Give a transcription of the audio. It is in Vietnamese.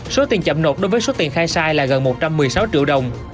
số tiền chậm nộp đối với số tiền khai sai là gần một trăm một mươi sáu triệu đồng